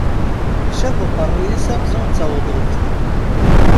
Icab uqerruy-is amzu d tawḍuft.